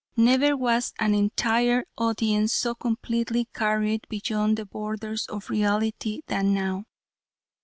Never was an entire audience so completely carried beyond the borders of reality than now.